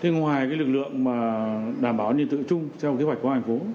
ngoài lực lượng đảm bảo an ninh trật tự chung theo kế hoạch của thành phố